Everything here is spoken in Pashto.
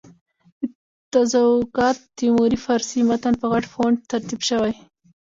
د تزوکات تیموري فارسي متن په غټ فونټ ترتیب شوی.